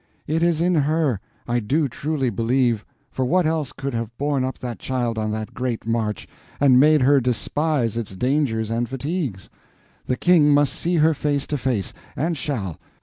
It is in her, I do truly believe, for what else could have borne up that child on that great march, and made her despise its dangers and fatigues? The King must see her face to face—and shall!'